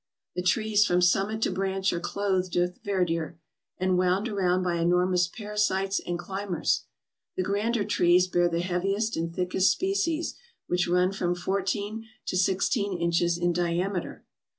The trees from sum mit to branch are clothed with verdure and wound around by enormous parasites and climbers. The grander trees bear the heaviest and thickest species, which run from four teen to sixteen inches in diameter.